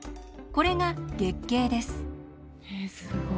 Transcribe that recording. これが月経です。